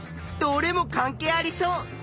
どれも関係ありそう！